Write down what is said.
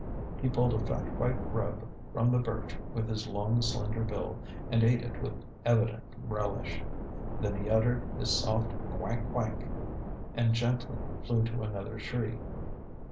He pulled a fat white grub from the birch with his long, slender bill and ate it with evident relish. Then he uttered his soft "quank, quank" and gently flew to another tree.